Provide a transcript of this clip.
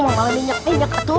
kamu mau minyak minyak aduh